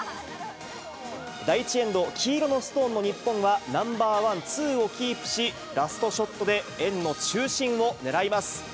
第１エンド、黄色のストーンの日本はナンバー１、２をキープし、ラストショットで円の中心を狙います。